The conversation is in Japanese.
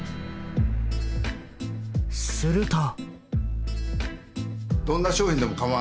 すると。